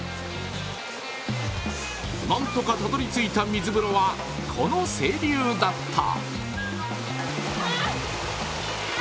なんとかたどり着いた水風呂はこの清流だった。